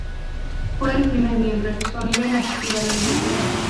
Fue el primer miembro de su familia en asistir a la universidad.